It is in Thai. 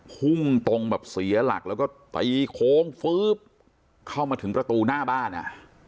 พุ่งตรงแบบเสียหลักแล้วก็ตีโค้งฟื๊บเข้ามาถึงประตูหน้าบ้านอ่ะ